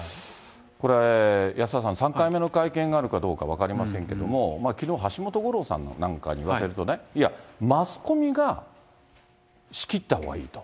これ安田さん、３回目の会見があるかどうか分かりませんけど、きのう橋本五郎さんなんかに言わせるとね、いや、マスコミがしきったほうがいいと。